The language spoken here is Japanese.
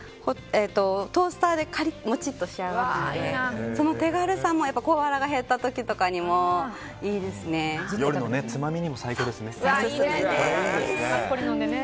トースターでカリもちに仕上がるのでその手軽さも小腹が減った時とかにも夜のつまみにも最高ですね。